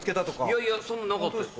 いやいやそんなのなかったです。